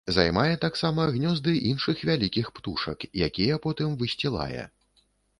Займае таксама гнёзды іншых вялікіх птушак, якія потым высцілае.